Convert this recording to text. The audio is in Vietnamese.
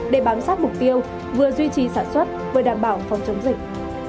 để bám sát mục tiêu vừa duy trì sản xuất vừa đảm bảo phòng chống dịch